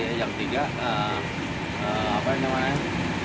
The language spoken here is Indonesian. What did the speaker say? ini kita lakukan sejak dari tadi ya yang tiga